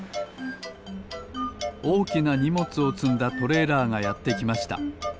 おおきなにもつをつんだトレーラーがやってきました。